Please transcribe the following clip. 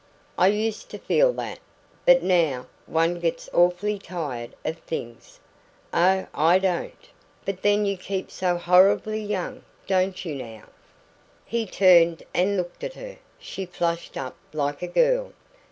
"I used to feel that. But now one gets awfully tired of things " "Oh, I don't!" "But then you keep so horribly young, don't you know." He turned and looked at her. She flushed up like a girl.